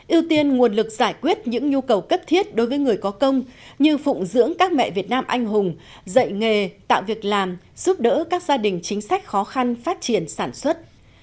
ưu tiên nguồn lực giải quyết những nhu cầu cấp thiết đối với người có công như phụng dưỡng các mẹ việt nam anh hùng dạy nghề tạo việc làm giúp đỡ các gia đình chính sách khó khăn phát triển sản xuất